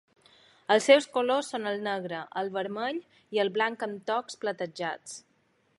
Els seus colors són el negre, el vermell i el blanc amb tocs platejats.